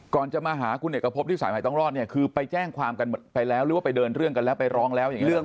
ก่อนจะมาหาคุณเอกพบที่สายใหม่ต้องรอดเนี่ยคือไปแจ้งความกันหมดไปแล้วหรือว่าไปเดินเรื่องกันแล้วไปร้องแล้วอย่างนี้